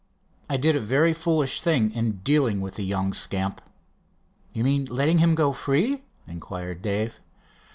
I did a very foolish thing in dealing with the young scamp." "You mean letting him go free?" inquired Dave.